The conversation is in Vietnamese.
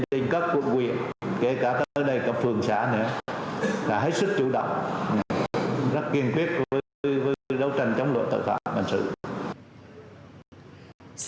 từ tỉnh đến các quận quyền kể cả ở đây cả phường xã nữa là hết sức chủ động rất kiên quyết với đấu tranh chống lộ tội phạm hình sự